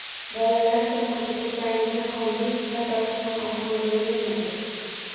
Bolalarcha qiziquvchanlikni qondirish har doim ham oson bo‘lavermaydi.